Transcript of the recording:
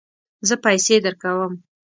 زه پیسې درکوم